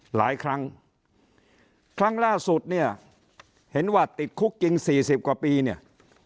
หลายครั้งครั้งล่าสุดเนี่ยเห็นว่าติดคุกจริงสี่สิบกว่าปีเนี่ย